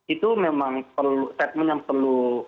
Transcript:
itu memang statement yang perlu